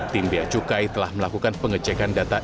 tim beacukai telah melakukan pengecekan data